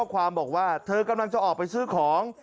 ความบอกว่าเธอกำลังจะออกไปซื้อของ